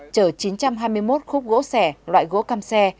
chở chín trăm hai mươi một khúc gỗ sẻ loại gỗ cam xe